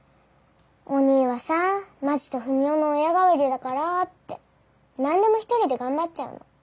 おにぃはさまちとふみおの親代わりだからって何でも１人で頑張っちゃうの。